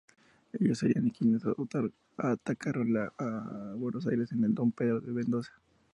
Ellos serían quienes atacaron la Buenos Aires de Don Pedro de Mendoza.